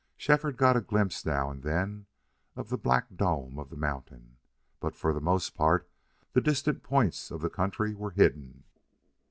Shefford got a glimpse now and then of the black dome of the mountain, but for the most part the distant points of the country were hidden.